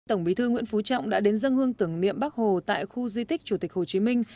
tổng bí thư nguyễn phú trọng đã đến dân hương tưởng niệm bắc hồ tại khu di tích chủ tịch hồ chí minh